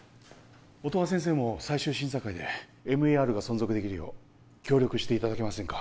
音羽先生も最終審査会でＭＥＲが存続できるよう協力していただけませんか？